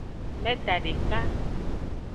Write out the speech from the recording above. Meta deka.